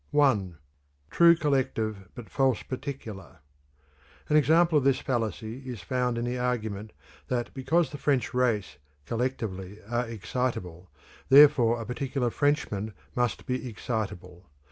I. True Collective but False Particular. An example of this fallacy is found in the argument that because the French race, collectively, are excitable, therefore a particular Frenchman must be excitable.